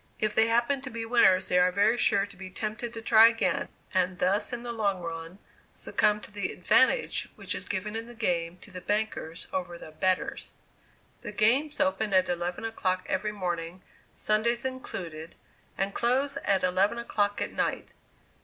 If they happen to be winners, they are very sure to be tempted to try again; and thus in the long run succumb to the "advantage" which is given in the game to the bankers over the "betters." The games open at eleven o'clock every morning, Sundays included, and close at eleven o'clock at night.